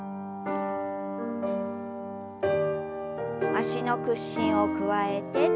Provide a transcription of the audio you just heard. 脚の屈伸を加えて。